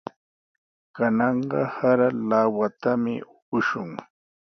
Kananqa sara lawatami upushun.